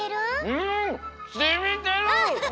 うん！しみてる！